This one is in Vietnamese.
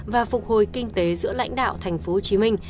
và phục hồi kinh tế giữa lãnh đạo thành phố hồ chí minh